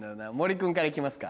君から行きますか。